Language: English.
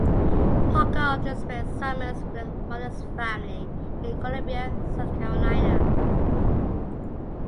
Parker often spent summers with her mother's family in Columbia, South Carolina.